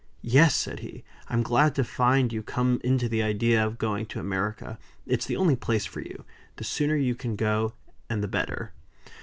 "Yes!" said he, "I'm glad to find you come into the idea of going to America. It's the only place for you. The sooner you can go, and the better."